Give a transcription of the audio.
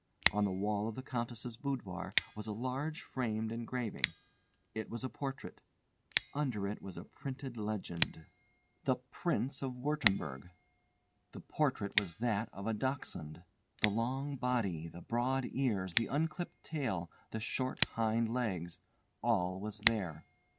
On the wall of the Countess's boudoir was a large framed engraving. It was a portrait. Under it was a printed legend: THE PRINCE OF WURTTEMBERG The portrait was that of a Dachshund. The long body, the broad ears, the unclipped tail, the short hind legs—all was there.